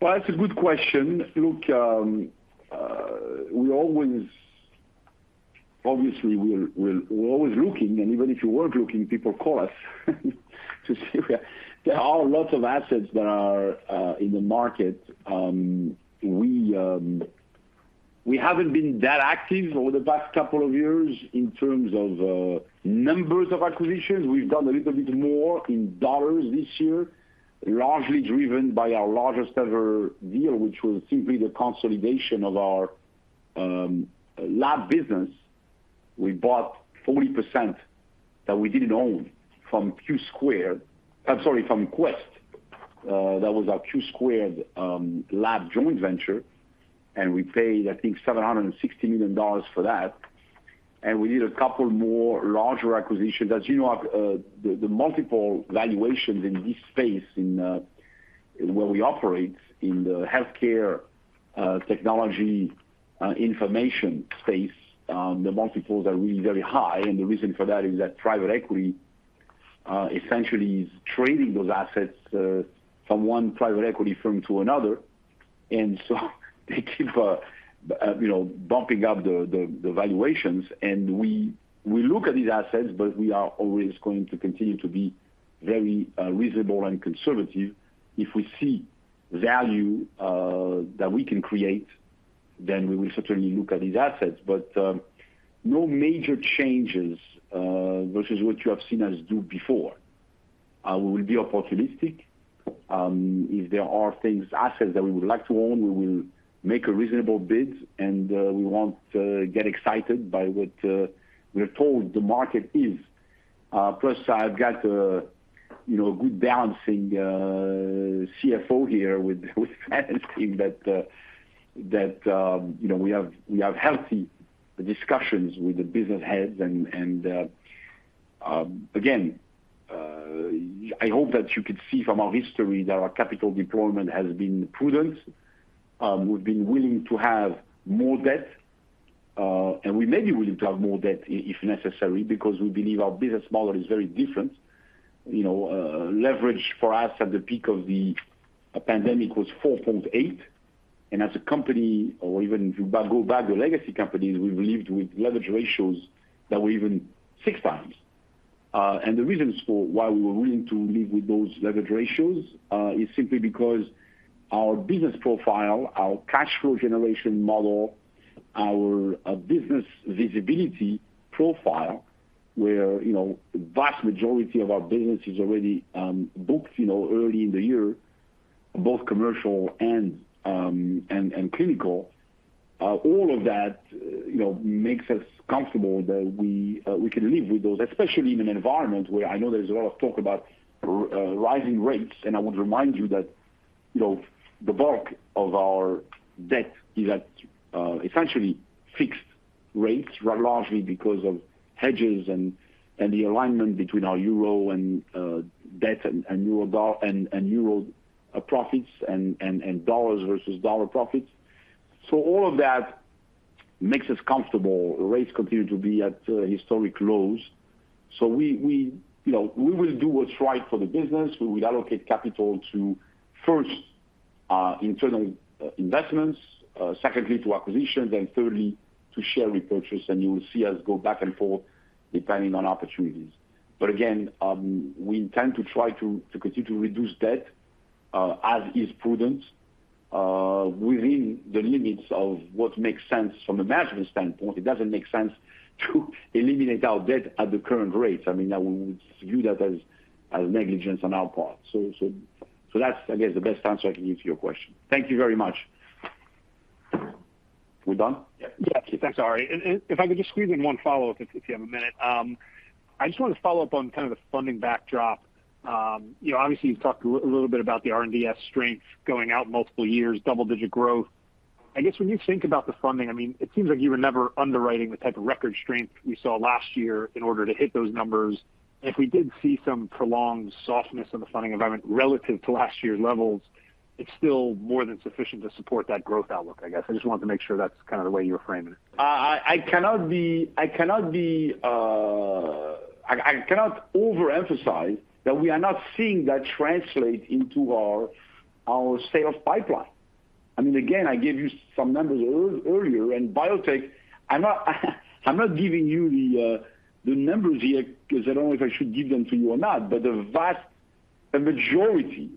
Well, that's a good question. Look, obviously, we're always looking, and even if you weren't looking, people call us to see where there are lots of assets that are in the market. We haven't been that active over the past couple of years in terms of numbers of acquisitions. We've done a little bit more in dollars this year, largely driven by our largest ever deal, which was simply the consolidation of our lab business. We bought 40% that we didn't own from Q2—from Quest. That was our Q2 lab joint venture, and we paid, I think, $760 million for that. We did a couple more larger acquisitions. As you know, the multiple valuations in this space in where we operate in the healthcare technology information space, the multiples are really very high. The reason for that is that private equity essentially is trading those assets from one private equity firm to another. They keep you know bumping up the valuations. We look at these assets, but we are always going to continue to be very reasonable and conservative. If we see value that we can create, then we will certainly look at these assets. No major changes versus what you have seen us do before. We will be opportunistic. If there are things, assets that we would like to own, we will make a reasonable bid, and we won't get excited by what we're told the market is. Plus, I've got a you know a good balancing CFO here with financing that you know we have healthy discussions with the business heads. Again, I hope that you could see from our history that our capital deployment has been prudent. We've been willing to have more debt, and we may be willing to have more debt if necessary because we believe our business model is very different. You know, leverage for us at the peak of the pandemic was 4.8x. As a company, or even if you go back to legacy companies, we've lived with leverage ratios that were even 6x. The reasons for why we were willing to live with those leverage ratios is simply because our business profile, our cash flow generation model, our business visibility profile, where you know the vast majority of our business is already booked you know early in the year, both commercial and clinical. All of that you know makes us comfortable that we can live with those, especially in an environment where I know there's a lot of talk about rising rates. I would remind you that, you know, the bulk of our debt is at essentially fixed rates, largely because of hedges and the alignment between our euro debt and euro profits and dollars versus dollar profits. All of that makes us comfortable. Rates continue to be at historic lows. We you know will do what's right for the business. We will allocate capital to first internal investments, secondly to acquisitions, and thirdly to share repurchase. You will see us go back and forth depending on opportunities. Again, we intend to try to continue to reduce debt as is prudent within the limits of what makes sense from a management standpoint. It doesn't make sense to eliminate our debt at the current rates. I mean, I would view that as negligence on our part. That's, I guess, the best answer I can give to your question. Thank you very much. We done? Yeah. Yeah. Thanks, Ari. If I could just squeeze in one follow-up if you have a minute. I just wanted to follow up on kind of the funding backdrop. You know, obviously, you've talked a little bit about the R&DS strength going out multiple years, double-digit growth. I guess when you think about the funding, I mean, it seems like you were never underwriting the type of record strength we saw last year in order to hit those numbers. If we did see some prolonged softness in the funding environment relative to last year's levels, it's still more than sufficient to support that growth outlook, I guess. I just wanted to make sure that's kind of the way you're framing it. I cannot overemphasize that we are not seeing that translate into our sales pipeline. I mean, again, I gave you some numbers earlier, and biotech, I'm not giving you the numbers here because I don't know if I should give them to you or not. A big majority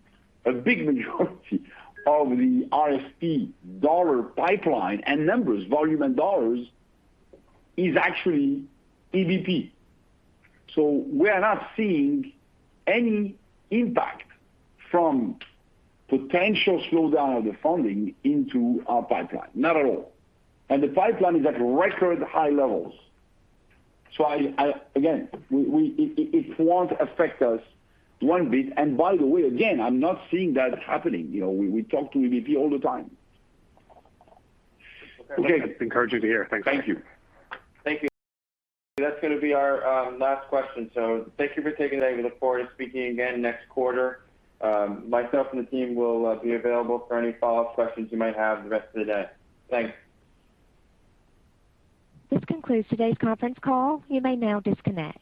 of the RFP dollar pipeline and numbers, volume and dollars, is actually EBP. We are not seeing any impact from potential slowdown of the funding into our pipeline. Not at all. The pipeline is at record high levels. Again, it won't affect us one bit. By the way, again, I'm not seeing that happening. You know, we talk to EBP all the time. Okay. That's encouraging to hear. Thanks. Thank you. Thank you. That's gonna be our last question. Thank you for taking the time. We look forward to speaking again next quarter. Myself and the team will be available for any follow-up questions you might have the rest of the day. Thanks. This concludes today's conference call. You may now disconnect.